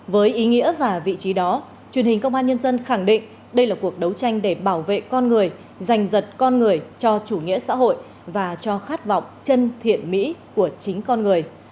với ý nghĩa và vị trí đó truyền hình công an nhân dân khẳng định đây là cuộc đấu tranh để bảo vệ con người giành giật con người cho chủ nghĩa xã hội và cho khát vọng chân thiện mỹ của chính con người